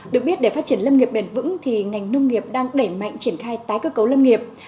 được biết để phát triển lâm nghiệp bền vững thì ngành nông nghiệp đang đẩy mạnh triển khai tái cơ cấu lâm nghiệp